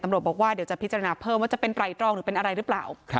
บอกว่าเดี๋ยวจะพิจารณาเพิ่มว่าจะเป็นไรตรองหรือเป็นอะไรหรือเปล่า